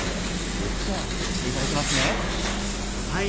失礼していただきますね。